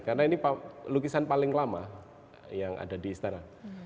karena ini lukisan paling lama yang ada di istana